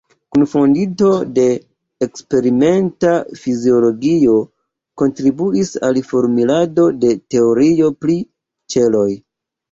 Kunfondinto de eksperimenta fiziologio, kontribuis al formulado de teorio pri ĉeloj.